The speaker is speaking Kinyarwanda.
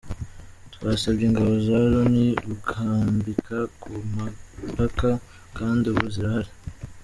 Twasabye Ingabo za Loni gukambika ku mipaka kandi ubu zirahari.